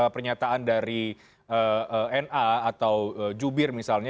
pernyataan dari na atau jubir misalnya